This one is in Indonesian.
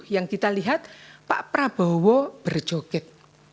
yang kita lihat pak prabowo berjoget